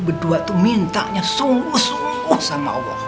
berdua itu mintanya sungguh sungguh sama allah